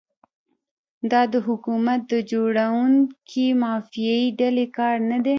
دا د حکومت د جوړونکي مافیایي ډلې کار نه دی.